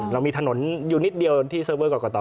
เรามีถนนอยู่นิดเดียวที่เซอร์เวอร์กรกต